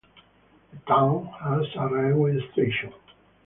The town has a railway station.